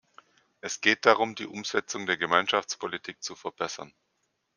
Es geht darum, die Umsetzung der Gemeinschaftspolitik zu verbessern.